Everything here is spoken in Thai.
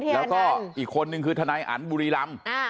แล้วก็อีกคนนึงคือถ่านายอนุบุหรีรัม